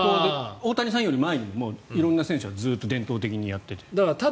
大谷さんより前に色んな選手がずっと伝統的にやっていた。